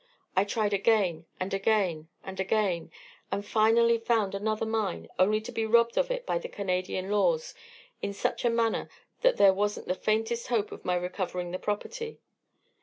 I tried again and again and again, and finally found another mine, only to be robbed of it by the Canadian laws in such a manner that there wasn't the faintest hope of my recovering the property.